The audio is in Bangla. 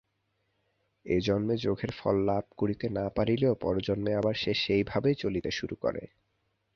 এজন্মে যোগের ফললাভ করিতে না পারিলেও পরজন্মে আবার সে সেই ভাবেই চলিতে শুরু করে।